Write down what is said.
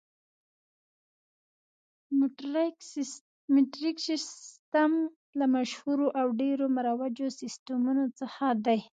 مټریک سیسټم له مشهورو او ډېرو مروجو سیسټمونو څخه دی.